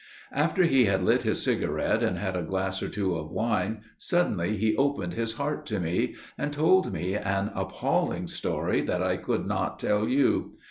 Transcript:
"After he had lit his cigarette, and had a glass or two of wine, suddenly he opened his heart to me, and told me an appalling story that I could not tell you.